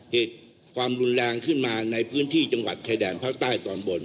เหตุความรุนแรงขึ้นมาในพื้นที่จังหวัดชายแดนภาคใต้ตอนบน